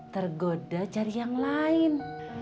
tergoda cari yang lain